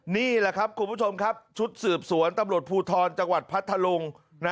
นี่แหละครับคุณผู้ชมครับชุดสืบสวนตำรวจภูทรจังหวัดพัทธลุง